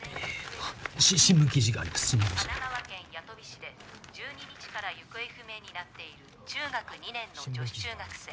市で１２日から行方不明になっている中学２年の女子中学生。